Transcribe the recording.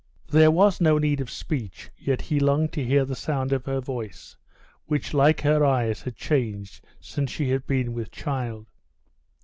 There was no need of speech, yet he longed to hear the sound of her voice, which like her eyes had changed since she had been with child.